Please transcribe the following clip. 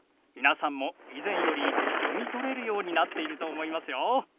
皆さんも以前より読み取れるようになっていると思いますよ。